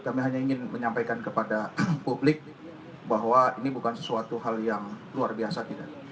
kami hanya ingin menyampaikan kepada publik bahwa ini bukan sesuatu hal yang luar biasa